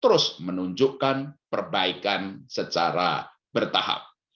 terus menunjukkan perbaikan secara bertahap